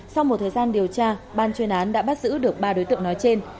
sau một thời gian điều tra ban chuyên án đã bắt giữ được ba đối tượng nói trên